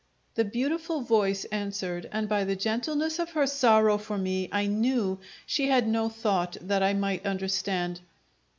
The beautiful voice answered, and by the gentleness of her sorrow for me I knew she had no thought that I might understand.